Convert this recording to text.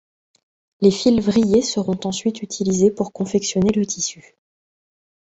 Les fils vrillés seront ensuite utilisés pour confectionner le tissu.